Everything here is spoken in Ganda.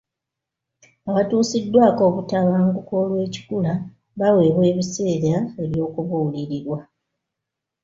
Abatuusiddwako obutabanguko olw'ekikula baweebwa ebiseera eby'okubuulirirwa.